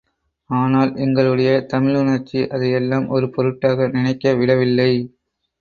ஆனால் எங்களுடைய தமிழுணர்ச்சி அதை எல்லாம் ஒரு பொருட்டாக நினைக்க விடவில்லை.